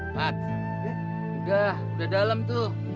mat udah udah dalam tuh